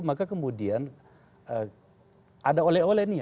maka kemudian ada oleh oleh nih